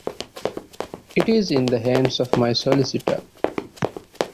It is in the hands of my solicitor.